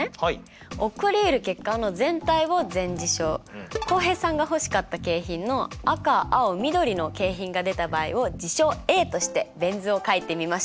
起こりうる結果の全体を全事象浩平さんが欲しかった景品の赤青緑の景品が出た場合を事象Ａとしてベン図を書いてみましょう。